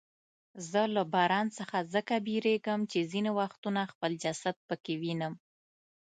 زه له باران څخه ځکه بیریږم چې ځیني وختونه خپل جسد پکې وینم.